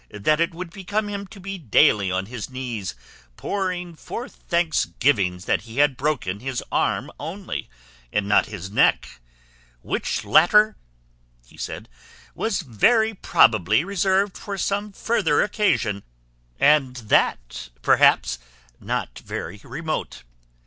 That it would become him to be daily on his knees, pouring forth thanksgivings that he had broken his arm only, and not his neck; which latter," he said, "was very probably reserved for some future occasion, and that, perhaps, not very remote.